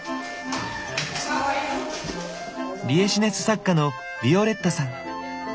リエシネス作家のヴィオレッタさん。